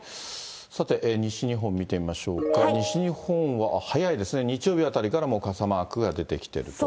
さて、西日本見てみましょうか、西日本は早いですね、日曜日あたりから、もう傘マークが出てきてると。